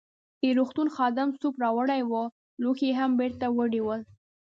د روغتون خادم سوپ راوړی وو، لوښي يې هم بیرته وړي ول.